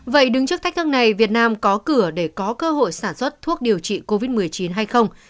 vậy đứng trước thách thức này việt nam có cửa để có cơ hội sản xuất thuốc điều trị covid một mươi chín hay không